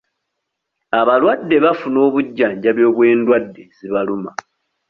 Abalwadde bafuna obujjanjabi obw'endwadde ezibaluma.